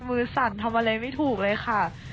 สั่นทำอะไรไม่ถูกเลยค่ะ